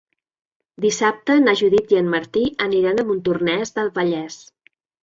Dissabte na Judit i en Martí aniran a Montornès del Vallès.